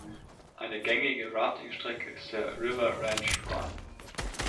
Eine gängige Rafting-Strecke ist der River Ranch Run.